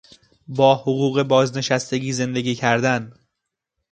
با حقوق بازنشستگی زندگی کردن